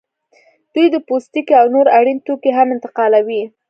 دوی د پوستکي او نور اړین توکي هم انتقالوي